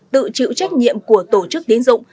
tự chịu trách nhiệm của tổ chức tín dụng